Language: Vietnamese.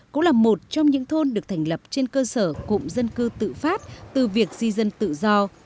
cũng là một trong những thôn được thành lập trên cơ sở cụm dân cư tự phát từ việc di dân tự do